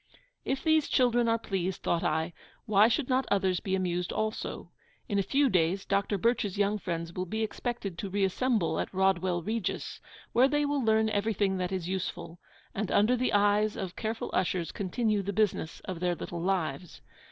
If these children are pleased, thought I, why should not others be amused also? In a few days Dr. Birch's young friends will be expected to reassemble at Rodwell Regis, where they will learn everything that is useful, and under the eyes of careful ushers continue the business of their little lives.